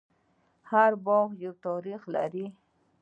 هر باغ یو تاریخ لري.